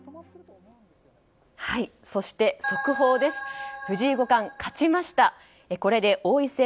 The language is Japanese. そして速報です。